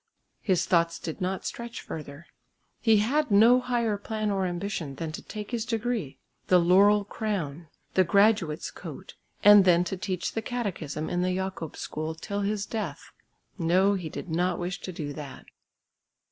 his thoughts did not stretch further; he had no higher plan or ambition than to take his degree the laurel crown, the graduate's coat, and then to teach the catechism in the Jakob school till his death. No, he did not wish to do that.